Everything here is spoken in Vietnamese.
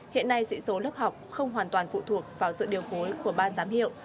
hiện nay sĩ số lớp học không hoàn toàn phụ thuộc vào dự điều